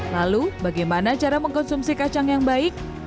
lalu bagaimana cara mengkonsumsi kacang yang baik